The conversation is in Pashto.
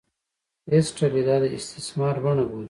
ایسټرلي دا د استثمار بڼه بولي.